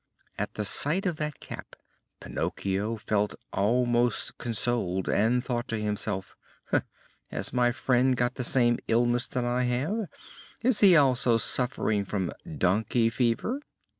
At the sight of the cap Pinocchio felt almost consoled and thought to himself: "Has my friend got the same illness that I have? Is he also suffering from donkey fever?"